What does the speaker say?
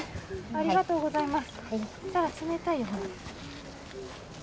ありがとうございます。